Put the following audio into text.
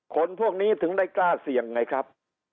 คนพวกนี้ถึงได้กล้าเสี่ยงไงครับ